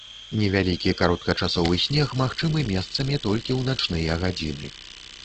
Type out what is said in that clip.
Невялікі кароткачасовы снег магчымы месцамі толькі ў начныя гадзіны.